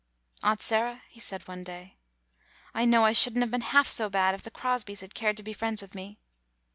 "Aunt Sarah," he said one day, "I know I should n't have been half so bad if the Crosbys had cared to be friends with me."